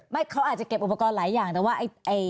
ไม่เขาอาจจะเก็บอุปกรณ์หลายอย่างแต่ว่าอุปกรณ์ทำแพ้